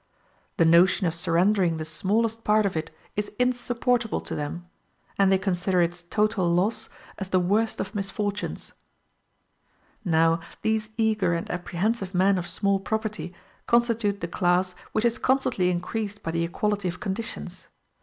The notion of surrendering the smallest part of it is insupportable to them, and they consider its total loss as the worst of misfortunes. Now these eager and apprehensive men of small property constitute the class which is constantly increased by the equality of conditions.